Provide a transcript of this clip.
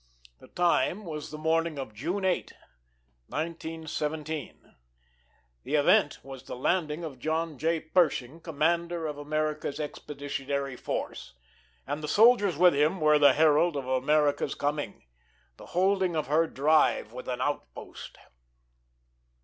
The time was the morning of June 8, 1917. The event was the landing of John J. Pershing, commander of America's Expeditionary Force. And the soldiers with him were the herald of America's coming the holding of her drive with an outpost.